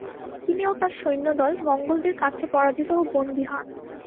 তিনি ও তার সৈন্যদল মঙ্গোলদের কাছে পরাজিত ও বন্দী হন।